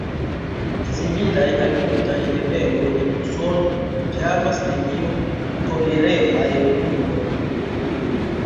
Similas al multaj lernejoj en usono, ĝi havas nenio-toleremaj reguloj.